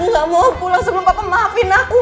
enggak mau pulang sebelum pak maafin aku